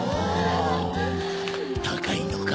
高いのか？